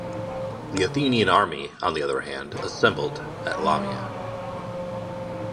The Athenian army on the other hand assembled at Lamia.